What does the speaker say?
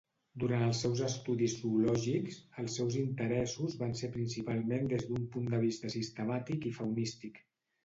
Durant els seus estudis zoològics, els seus interessos van ser principalment des d'un punt de vista sistemàtic i faunístic.